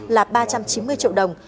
là ba trăm chín mươi triệu đồng